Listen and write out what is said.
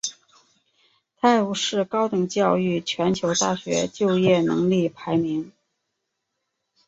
泰晤士高等教育全球大学就业能力排名。